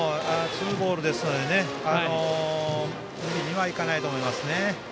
ツーボールですのでいかないと思いますね。